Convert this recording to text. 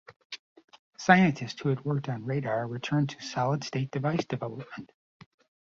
Scientists who had worked on radar returned to solid-state device development.